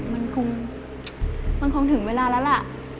มันคงมันคงถึงเวลาแล้วล่ะ